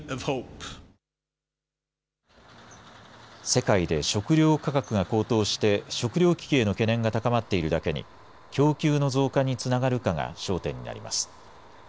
世界で食料価格が高騰して食料危機への懸念が高まっているだけに供給の増加につながるかが焦点になります。